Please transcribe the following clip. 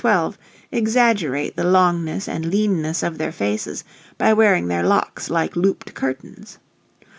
12 exaggerate the longness and leanness of their faces by wearing their locks like looped curtains.